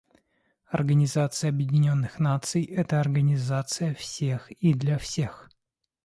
Организация Объединенных Наций — это организация всех и для всех.